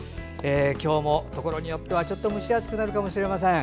今日もところによってはちょっと蒸し暑くなるかもしれません。